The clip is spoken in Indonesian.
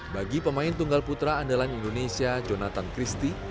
bagi pemain tunggal putra andalan indonesia jonathan christie